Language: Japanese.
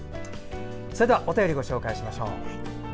それでは、お便りご紹介しましょう。